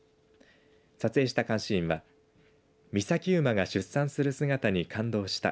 撮影した監視員は岬馬が出産する姿に感動した。